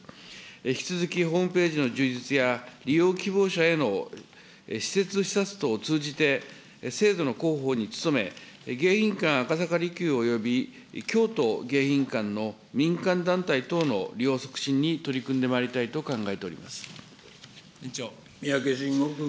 引き続きホームページの充実や、利用希望者への施設視察等を通じて、制度の広報に努め、迎賓館赤坂離宮および京都迎賓館の民間団体等の利用促進に取り組三宅伸吾君。